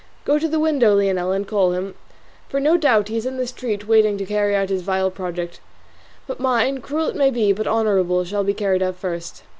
Go to the window, Leonela, and call him, for no doubt he is in the street waiting to carry out his vile project; but mine, cruel it may be, but honourable, shall be carried out first."